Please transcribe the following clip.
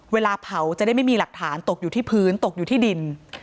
เวลาเผาจะได้ไม่มีหลักฐานตกอยู่ที่พื้นตกอยู่ที่ดิน